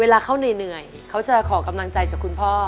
เวลาเขาเหนื่อยเขาจะขอกำลังใจจากคุณพ่อ